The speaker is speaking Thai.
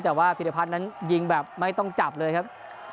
แต่ว่าพิรพัฒน์นั้นยิงแบบไม่ต้องจับเลยครับ